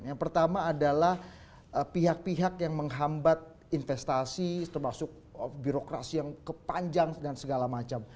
yang pertama adalah pihak pihak yang menghambat investasi termasuk birokrasi yang kepanjang dan segala macam